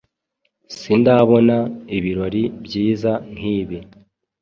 Sindabona ibirori byiza nk’ibi.